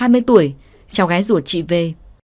lý minh ninh hai mươi tuổi cháu gái ruột chị vê